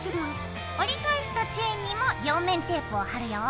折り返したチェーンにも両面テープを貼るよ。